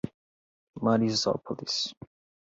Marizópolis